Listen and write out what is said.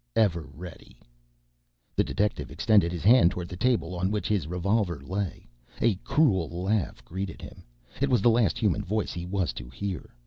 "Ever ready!" The detective extended his hand toward the table, on which his revolver lay. A cruel laugh greeted him. It was the last human voice he was to hear.